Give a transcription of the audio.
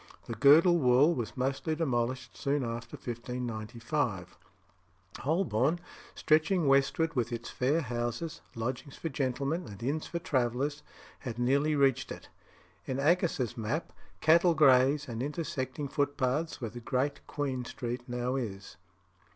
The girdle wall was mostly demolished soon after 1595. Holborn, stretching westward, with its fair houses, lodgings for gentlemen, and inns for travellers, had nearly reached it. In Aggas's map, cattle graze amid intersecting footpaths, where Great Queen Street now is.